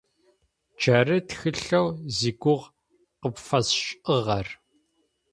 Джары тхылъэу зигугъу къыпфэсшӀыгъэр.